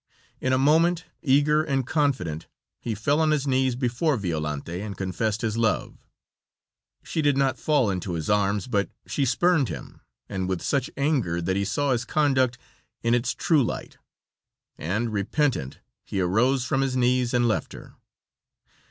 In a moment, eager and confident, he fell on his knees before Violante and confessed his love. She did not full into his arms, but she spurned him and with such anger that he saw his conduct in its true light, and, repentant he arose from his knees and left her.